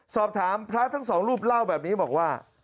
สอบถามพระทั้งสองรูปเล่าแบบนี้บอกว่า